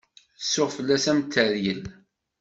Tsuɣ fell-as am teryel.